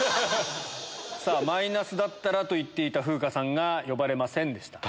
マイナスだったらと言っていた風花さんが呼ばれませんでした。